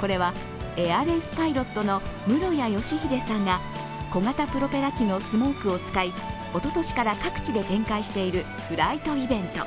これはエアレースパイロットの室屋義秀さんが小型プロペラ機のスモークを使い、おととしから各地で展開しているフライトイベント。